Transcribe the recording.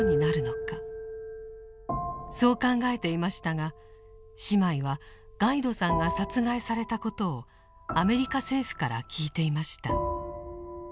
そう考えていましたが姉妹はガイドさんが殺害されたことをアメリカ政府から聞いていました。